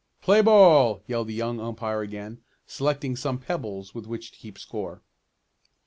"Play ball!" yelled the young umpire again, selecting some pebbles with which to keep score.